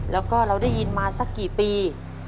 แล้วก็เราได้ยินมาสักกี่ปี